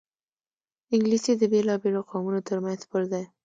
انګلیسي د بېلابېلو قومونو ترمنځ پُل دی